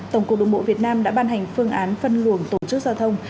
tổng cục đồng bộ việt nam đã ban hành phương án phân luồng tổ chức giao thông